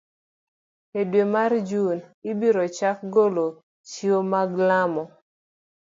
E dwe mar Jun, ibiro chak golo chiwo mag lamo